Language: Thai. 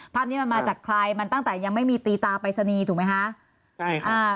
ภาพนี้มันมาจากใครมันตั้งแต่ยังไม่มีตีตาปริศนีย์ถูกไหมคะใช่อ่า